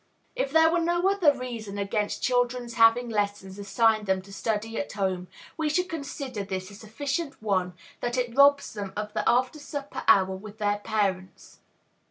If there were no other reason against children's having lessons assigned them to study at home, we should consider this a sufficient one, that it robs them of the after supper hour with their parents.